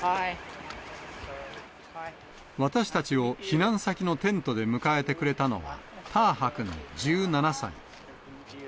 私たちを避難先のテントで迎えてくれたのは、ターハ君１７歳。